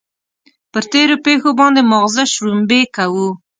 پر تېرو پېښو باندې ماغزه شړومبې کوو.